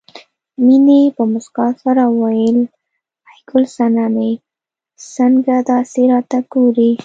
مينې په مسکا سره وویل ای ګل سنمې څنګه داسې راته ګورې